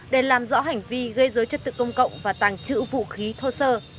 để làm rõ hành vi gây dối chất tự công cộng và tàng trữ vũ khí thô sơ